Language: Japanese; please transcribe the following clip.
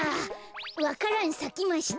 わか蘭さきました。